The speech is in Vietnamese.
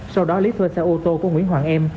sau đó lý thuê xe ô tô của nguyễn hoàng em